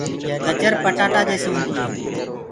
گجر پٽآٽآ جيسي هوندي هي۔